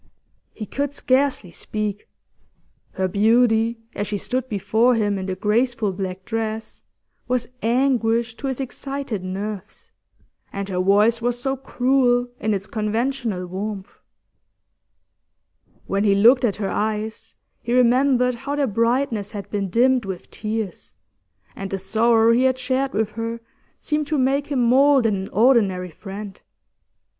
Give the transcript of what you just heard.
He could scarcely speak; her beauty, as she stood before him in the graceful black dress, was anguish to his excited nerves, and her voice was so cruel in its conventional warmth. When he looked at her eyes, he remembered how their brightness had been dimmed with tears, and the sorrow he had shared with her seemed to make him more than an ordinary friend.